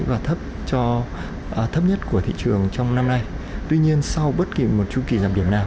và thấp cho thấp nhất của thị trường trong năm nay tuy nhiên sau bất kỳ một chu kỳ giảm điểm nào